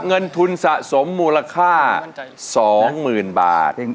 เงินทุนสะสมมูลค่า๒๐๐๐บาท